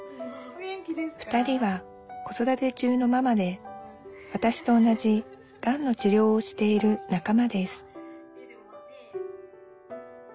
２人は子育て中のママでわたしと同じがんの治療をしている仲間です